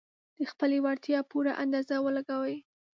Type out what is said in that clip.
د خپلې وړتيا پوره اندازه ولګوي.